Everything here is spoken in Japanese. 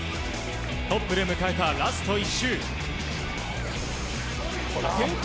トップで迎えたラスト１周で転倒。